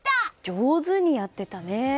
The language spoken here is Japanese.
上手にやってたね。